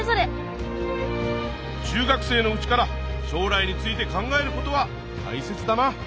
中学生のうちからしょうらいについて考えることはたいせつだな。